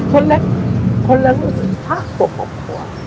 คนเล็กคนละลูก๕๖ผัว